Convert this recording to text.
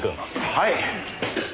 はい。